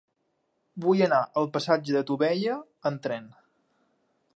Vull anar al passatge de Tubella amb tren.